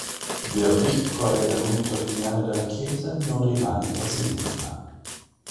Del ricco arredamento originario della chiesa non rimane quasi nulla.